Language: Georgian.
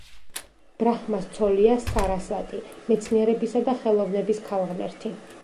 ბრაჰმას ცოლია სარასვატი, მეცნიერებისა და ხელოვნების ქალღმერთი.